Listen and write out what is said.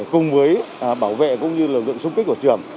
cùng với bảo vệ cũng như lực lượng xung kích của trường